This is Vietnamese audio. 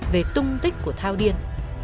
về tung tích của thao điên